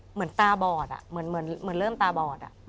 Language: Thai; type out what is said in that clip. เหมือนตาบอดเหมือนเริ่มตาบอด